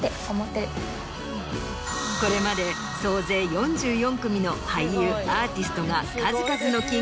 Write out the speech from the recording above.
これまで総勢４４組の俳優アーティストが。